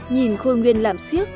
nhìn khôi nguyên làm siếc